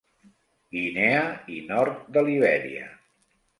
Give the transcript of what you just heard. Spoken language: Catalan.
Guinea i nord de Libèria.